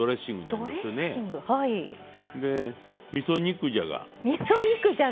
でみそ肉じゃが。